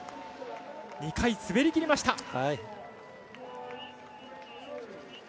２回、滑りきりました。